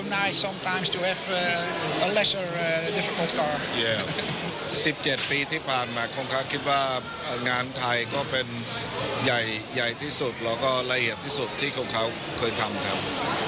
และก็ละเอียดที่สุดที่เขาเคยทำครับ